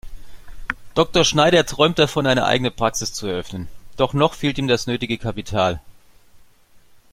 Dr. Schneider träumt davon, eine eigene Praxis zu eröffnen, doch noch fehlt ihm das nötige Kapital.